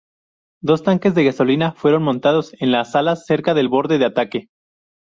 Dos tanques de gasolina fueron montados en las alas cerca del borde de ataque.